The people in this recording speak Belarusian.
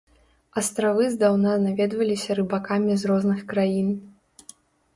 Астравы здаўна наведваліся рыбакамі з розных краін.